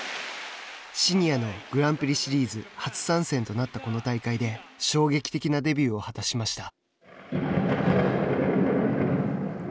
シニアのグランプリシリーズ初参戦となったこの大会で衝撃的なデビューを果たしました。